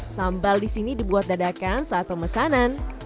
sambal di sini dibuat dadakan saat pemesanan